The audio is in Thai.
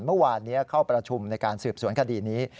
เมื่อวานนี้เข้าประชุมในการสืบสวนคดีนี้